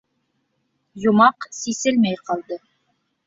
Йомаҡ сиселмәй ҡалды.